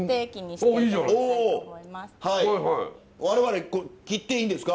我々切っていいんですか？